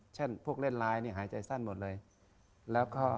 เช่นพวกเล่นไลน์เนี่ยหายใจสั้นหมดเลยแล้วก็